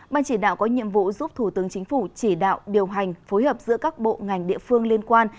ban chỉ đạo có nhiệm vụ giúp thủ tướng chính phủ chỉ đạo điều hành phối hợp giữa các bộ ngành địa phương liên quan